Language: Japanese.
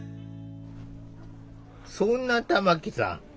そんな玉木さん